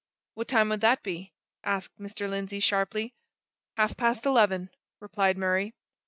"What time would that be?" asked Mr. Lindsey, sharply. "Half past eleven," replied Murray.